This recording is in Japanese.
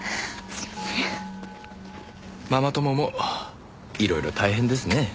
ママ友もいろいろ大変ですね。